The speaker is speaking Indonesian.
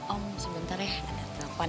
om sebentar ya ada delapan